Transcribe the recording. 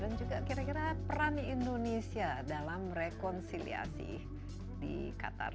dan juga kira kira peran indonesia dalam rekonsiliasi di qatar